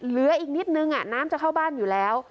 เหลืออีกนิดนึงน้ำจะเข้าบ้านอยู่แล้ว